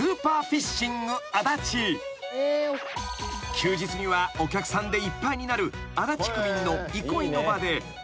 ［休日にはお客さんでいっぱいになる足立区民の憩いの場で］